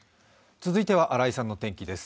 続いては新井さんの天気です。